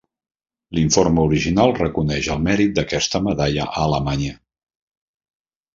L'informe original reconeix el mèrit d'aquesta medalla a Alemanya.